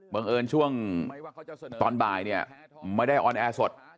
บังเอิญช่วงตอนบ่ายเนี่ยไม่ได้ออนแอร์สด